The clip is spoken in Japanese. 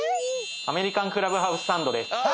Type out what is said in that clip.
アメリカンクラブハウスサンドです。